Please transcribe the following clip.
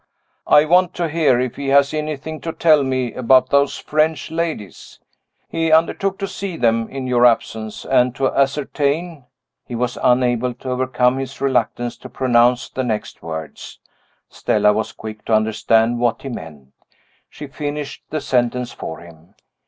"I want to hear if he has anything to tell me about those French ladies. He undertook to see them, in your absence, and to ascertain " He was unable to overcome his reluctance to pronounce the next words. Stella was quick to understand what he meant. She finished the sentence for him.